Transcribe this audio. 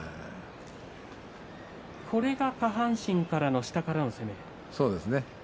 これが下半身からの下からの攻めですか？